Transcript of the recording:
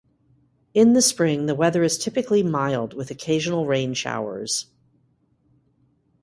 In the spring, the weather is typically mild, with occasional rain showers.